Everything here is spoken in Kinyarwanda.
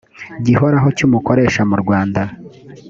gihoraho cy umukoresha mu rwanda